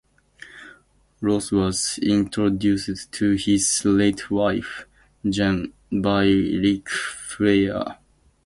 Ross was introduced to his late wife, Jan, by Ric Flair.